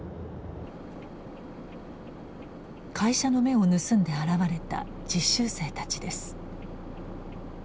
会社の目を盗んで現れた実習生たちです。